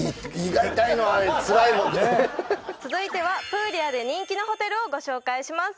続いてはプーリアで人気のホテルをご紹介します